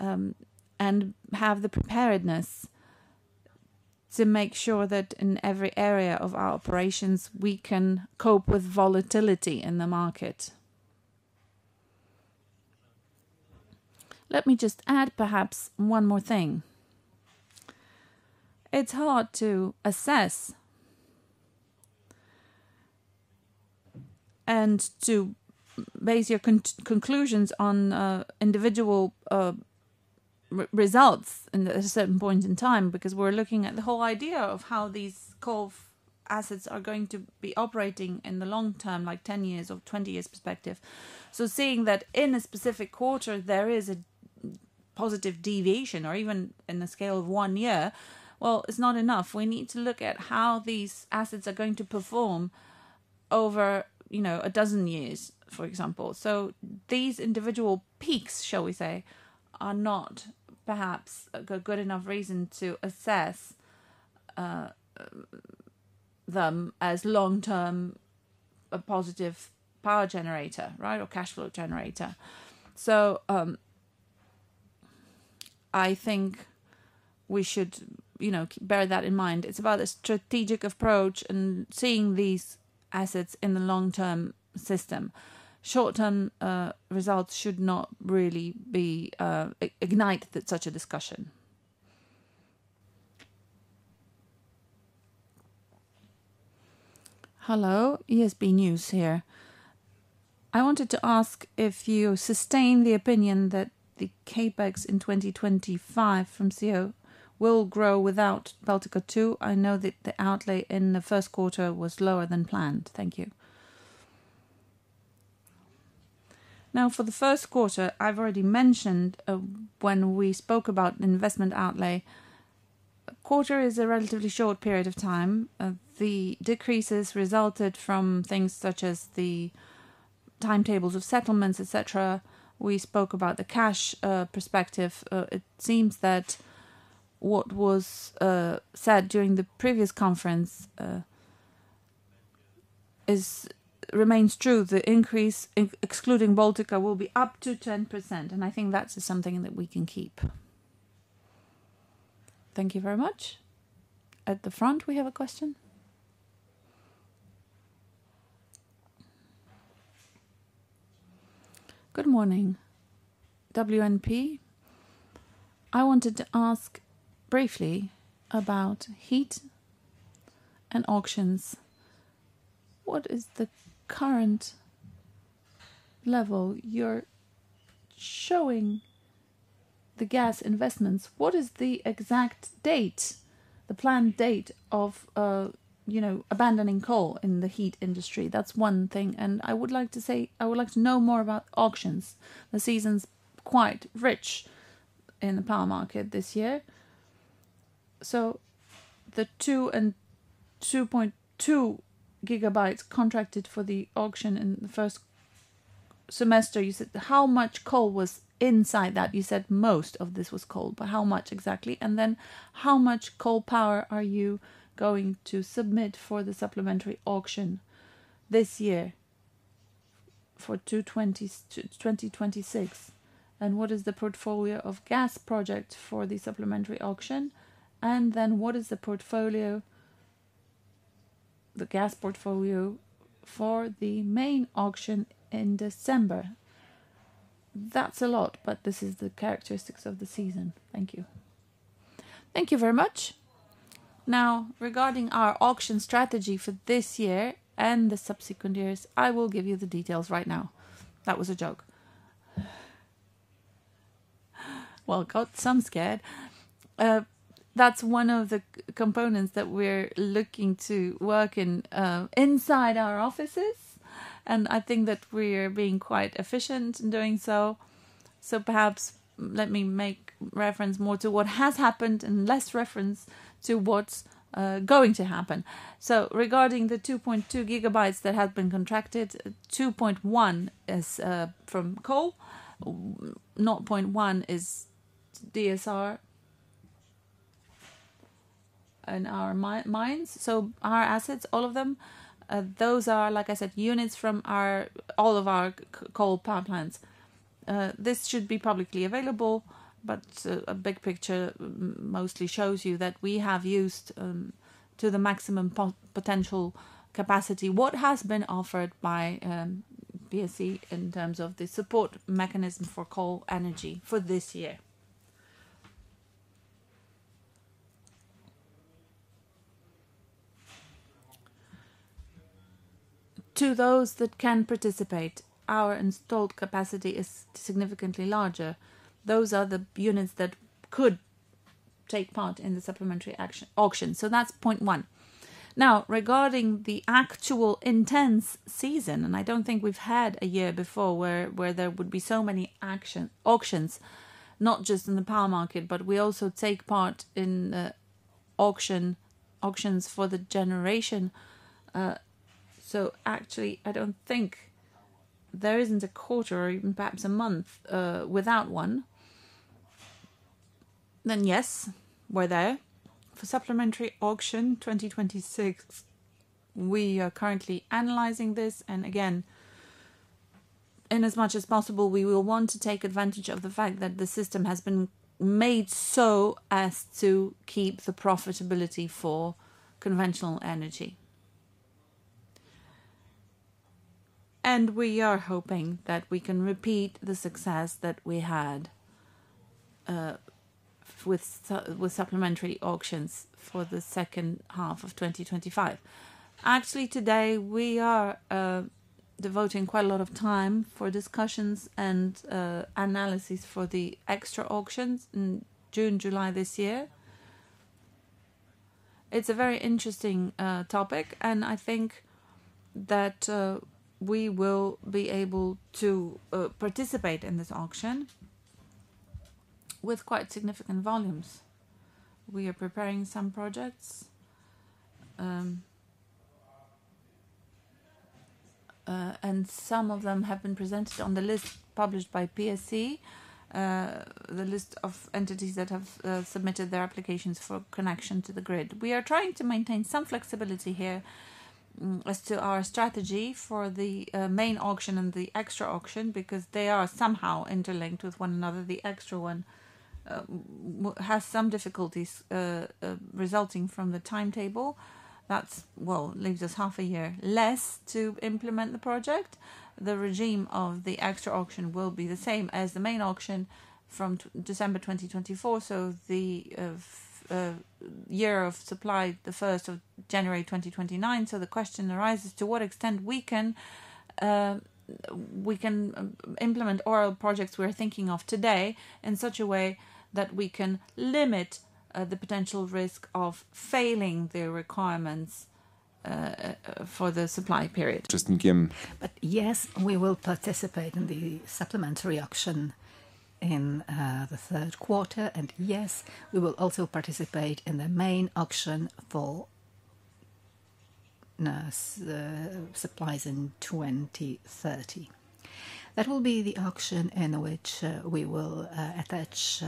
and have the preparedness to make sure that in every area of our operations, we can cope with volatility in the market. Let me just add perhaps one more thing. It is hard to assess and to base your conclusions on individual results at a certain point in time because we are looking at the whole idea of how these coal assets are going to be operating in the long term, like 10 years or 20 years perspective. Seeing that in a specific quarter, there is a positive deviation or even in the scale of one year, it is not enough. We need to look at how these assets are going to perform over a dozen years, for example. These individual peaks, shall we say, are not perhaps a good enough reason to assess them as long-term a positive power generator, right, or cash flow generator. I think we should bear that in mind. It is about a strategic approach and seeing these assets in the long-term system. Short-term results should not really ignite such a discussion. Hello, ESB News here. I wanted to ask if you sustain the opinion that the CapEx in 2025 from CEO will grow without Baltica 2. I know that the outlay in the first quarter was lower than planned. Thank you. Now, for the first quarter, I have already mentioned when we spoke about investment outlay. Quarter is a relatively short period of time. The decreases resulted from things such as the timetables of settlements, etc. We spoke about the cash perspective. It seems that what was said during the previous conference remains true. The increase, excluding Baltica, will be up to 10%. I think that's something that we can keep. Thank you very much. At the front, we have a question. Good morning. WNP. I wanted to ask briefly about heat and auctions. What is the current level you're showing the gas investments? What is the exact date, the planned date of abandoning coal in the heat industry? That's one thing. I would like to know more about auctions. The season's quite rich in the power market this year. The 2.2 GW contracted for the auction in the first semester, you said how much coal was inside that? You said most of this was coal, but how much exactly? How much coal power are you going to submit for the supplementary auction this year for 2026? What is the portfolio of gas projects for the supplementary auction? What is the portfolio, the gas portfolio for the main auction in December? That is a lot, but this is the characteristics of the season. Thank you. Thank you very much. Now, regarding our auction strategy for this year and the subsequent years, I will give you the details right now. That was a joke. Got some scared. That is one of the components that we are looking to work in inside our offices. I think that we are being quite efficient in doing so. Perhaps let me make reference more to what has happened and less reference to what is going to happen. Regarding the 2.2 GW that have been contracted, 2.1 gw is from coal, 0.1 GW is DSR in our minds. Our assets, all of them, those are, like I said, units from all of our coal power plants. This should be publicly available, but a big picture mostly shows you that we have used to the maximum potential capacity. What has been offered by PSE in terms of the support mechanism for coal energy for this year? To those that can participate, our installed capacity is significantly larger. Those are the units that could take part in the supplementary auction. That is point one. Now, regarding the actual intense season, and I do not think we have had a year before where there would be so many auctions, not just in the power market, but we also take part in auctions for the generation. Actually, I do not think there is a quarter or even perhaps a month without one. Yes, we are there. For supplementary auction 2026, we are currently analyzing this. Again, in as much as possible, we will want to take advantage of the fact that the system has been made so as to keep the profitability for conventional energy. We are hoping that we can repeat the success that we had with supplementary auctions for the second half of 2025. Actually, today, we are devoting quite a lot of time for discussions and analysis for the extra auctions in June, July this year. It is a very interesting topic, and I think that we will be able to participate in this auction with quite significant volumes. We are preparing some projects, and some of them have been presented on the list published by PSE, the list of entities that have submitted their applications for connection to the grid. We are trying to maintain some flexibility here as to our strategy for the main auction and the extra auction because they are somehow interlinked with one another. The extra one has some difficulties resulting from the timetable. That leaves us half a year less to implement the project. The regime of the extra auction will be the same as the main auction from December 2024, so the year of supply, the 1st of January 2029. The question arises to what extent we can implement oral projects we're thinking of today in such a way that we can limit the potential risk of failing the requirements for the supply period. Yes, we will participate in the supplementary auction in the third quarter, and yes, we will also participate in the main auction for supplies in 2030. That will be the auction in which we will attach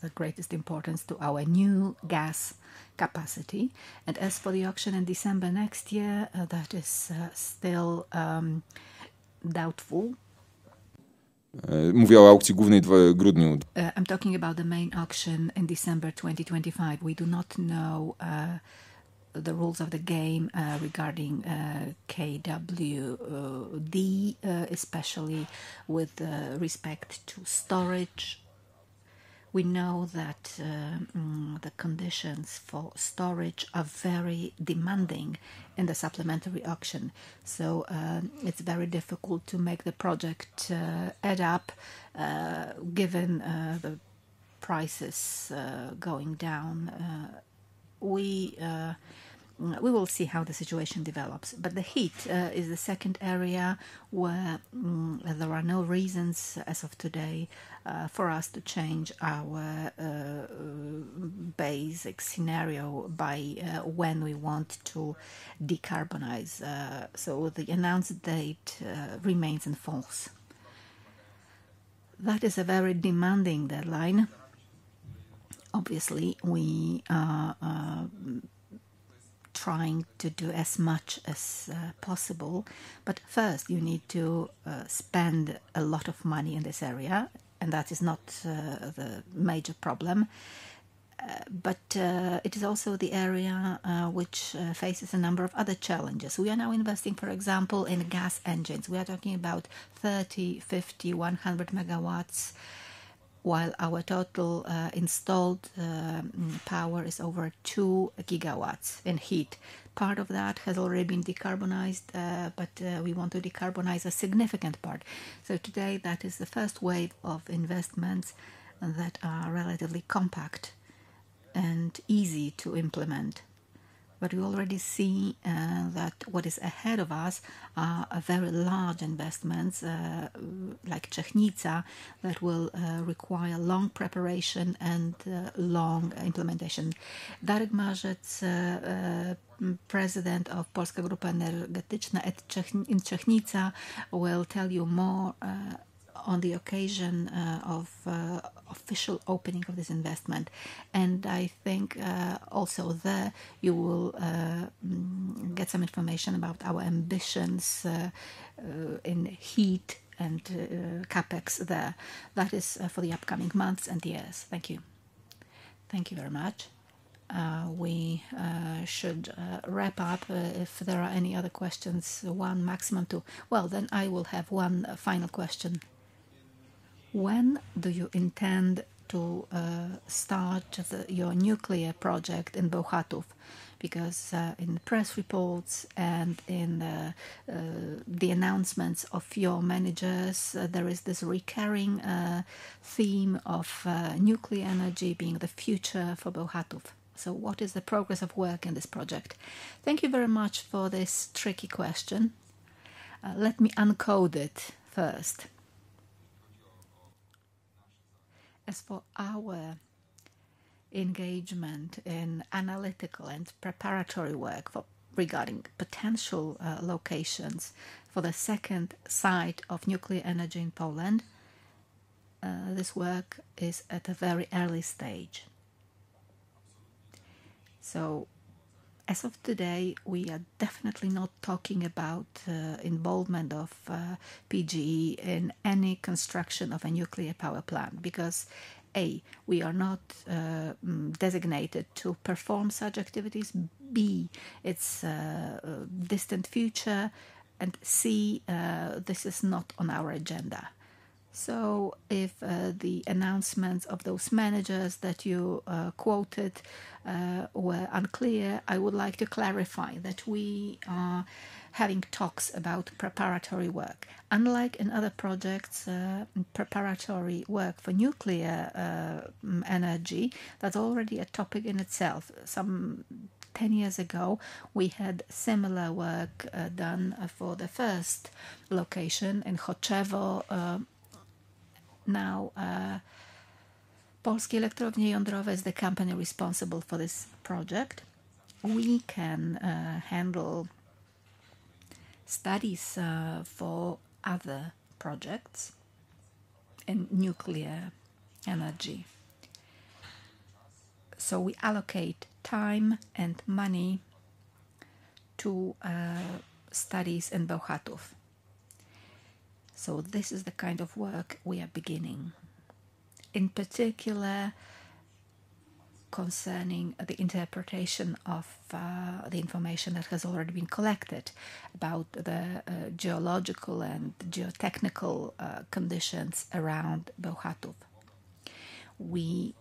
the greatest importance to our new gas capacity. As for the auction in December next year, that is still doubtful. Mówię o aukcji głównej w grudniu. I'm talking about the main auction in December 2025. We do not know the rules of the game regarding KWD, especially with respect to storage. We know that the conditions for storage are very demanding in the supplementary auction. It is very difficult to make the project add up given the prices going down. We will see how the situation develops. The heat is the second area where there are no reasons as of today for us to change our basic scenario by when we want to decarbonize. The announced date remains in force. That is a very demanding deadline. Obviously, we are trying to do as much as possible. First, you need to spend a lot of money in this area, and that is not the major problem. It is also the area which faces a number of other challenges. We are now investing, for example, in gas engines. We are talking about 30 MW, 50 MW, 100 MWs, while our total installed power is over 2 GW in heat. Part of that has already been decarbonized, but we want to decarbonize a significant part. Today, that is the first wave of investments that are relatively compact and easy to implement. We already see that what is ahead of us are very large investments like Czechnica that will require long preparation and long implementation. Darek Marzec, President of PGE Polska Grupa Energetyczna in Czechnica, will tell you more on the occasion of official opening of this investment. I think also there you will get some information about our ambitions in heat and CapEx there. That is for the upcoming months and years. Thank you. Thank you very much. We should wrap up. If there are any other questions, one maximum to, I will have one final question. When do you intend to start your nuclear project in Bełchatów? Because in the press reports and in the announcements of your managers, there is this recurring theme of nuclear energy being the future for Bełchatów. What is the progress of work in this project? Thank you very much for this tricky question. Let me uncode it first. As for our engagement in analytical and preparatory work regarding potential locations for the second site of nuclear energy in Poland, this work is at a very early stage. As of today, we are definitely not talking about involvement of PGE in any construction of a nuclear power plant because, A, we are not designated to perform such activities, B, it is a distant future, and C, this is not on our agenda. If the announcements of those managers that you quoted were unclear, I would like to clarify that we are having talks about preparatory work. Unlike in other projects, preparatory work for nuclear energy, that is already a topic in itself. Some 10 years ago, we had similar work done for the first location in Choczewo. Now, Polskie Elektrownie Jądrowe is the company responsible for this project. We can handle studies for other projects in nuclear energy. We allocate time and money to studies in Bełchatów. This is the kind of work we are beginning, in particular concerning the interpretation of the information that has already been collected about the geological and geotechnical conditions around Bełchatów. We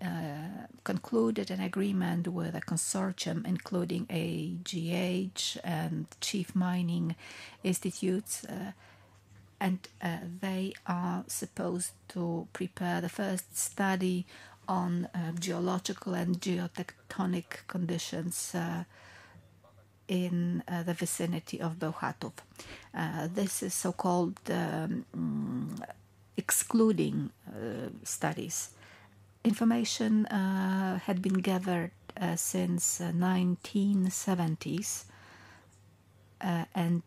concluded an agreement with a consortium including AGH University of Science and Technology and Główny Instytut Górnictwa, and they are supposed to prepare the first study on geological and geotectonic conditions in the vicinity of Bełchatów. These are so-called excluding studies. Information had been gathered since the 1970s, and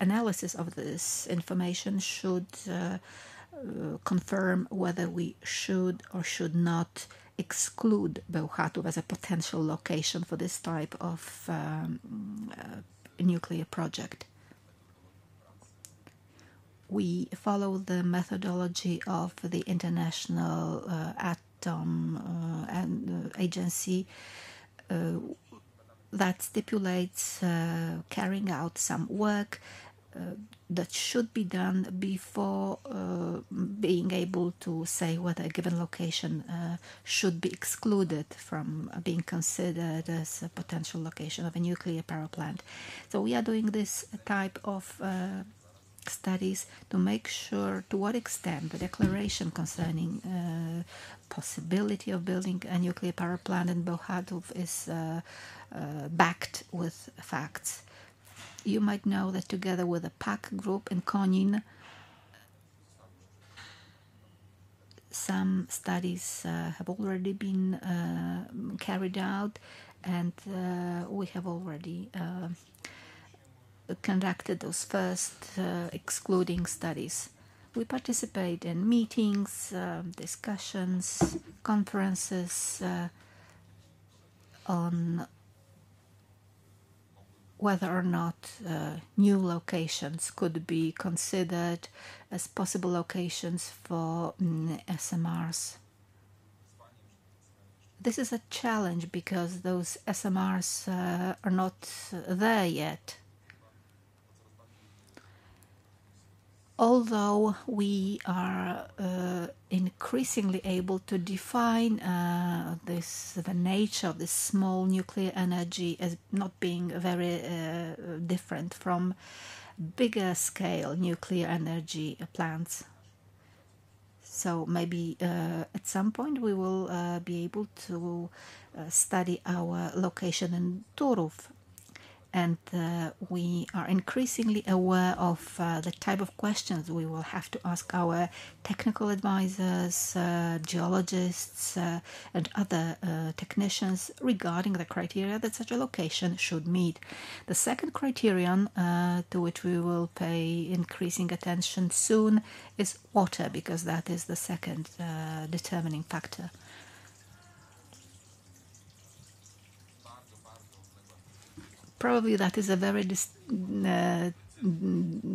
analysis of this information should confirm whether we should or should not exclude Bełchatów as a potential location for this type of nuclear project. We follow the methodology of the International Atomic Agency that stipulates carrying out some work that should be done before being able to say whether a given location should be excluded from being considered as a potential location of a nuclear power plant. We are doing this type of studies to make sure to what extent the declaration concerning the possibility of building a nuclear power plant in Bełchatów is backed with facts. You might know that together with the PAK group in Konin, some studies have already been carried out, and we have already conducted those first excluding studies. We participate in meetings, discussions, conferences on whether or not new locations could be considered as possible locations for SMRs. This is a challenge because those SMRs are not there yet. Although we are increasingly able to define the nature of this small nuclear energy as not being very different from bigger scale nuclear energy plants. Maybe at some point, we will be able to study our location in Turów. We are increasingly aware of the type of questions we will have to ask our technical advisors, geologists, and other technicians regarding the criteria that such a location should meet. The second criterion to which we will pay increasing attention soon is water because that is the second determining factor. Probably that is a very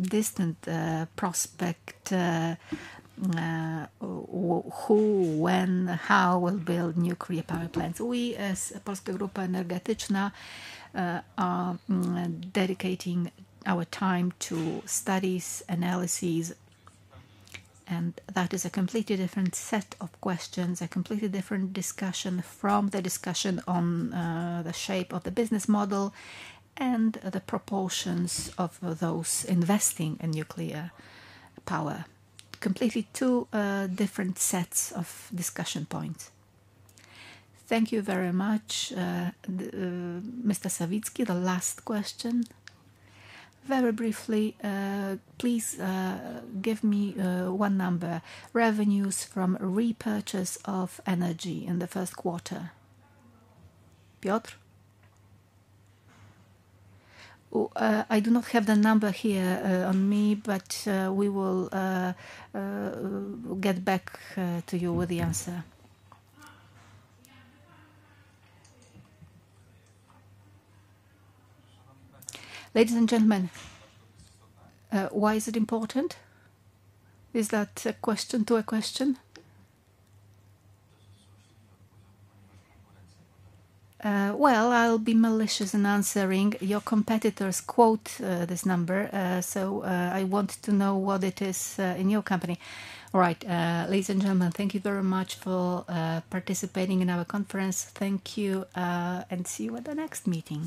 distant prospect—who, when, how will build nuclear power plants. We as PGE Polska Grupa Energetyczna are dedicating our time to studies, analyses, and that is a completely different set of questions, a completely different discussion from the discussion on the shape of the business model and the proportions of those investing in nuclear power. Completely two different sets of discussion points. Thank you very much, Mr. Sawicki. The last question. Very briefly, please give me one number: revenues from repurchase of energy in the first quarter. Piotr? I do not have the number here on me, but we will get back to you with the answer. Ladies and gentlemen, why is it important? Is that a question to a question? I'll be malicious in answering. Your competitors quote this number, so I want to know what it is in your company. Right. Ladies and gentlemen, thank you very much for participating in our conference. Thank you and see you at the next meeting.